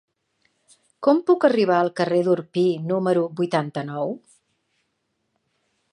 Com puc arribar al carrer d'Orpí número vuitanta-nou?